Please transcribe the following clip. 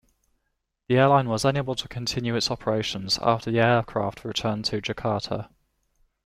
The airline was unable to continue its operations after the aircraft returned to Jakarta.